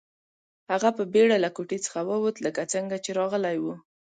هغه په بیړه له کوټې څخه ووت لکه څنګه چې راغلی و